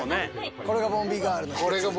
これが『ボンビーガール』？